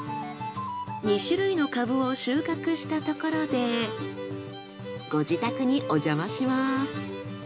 ２種類のカブを収穫したところでご自宅におじゃまします。